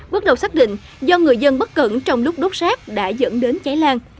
bước đầu xác định do người dân bất cẩn trong lúc đốt rác đã dẫn đến cháy lan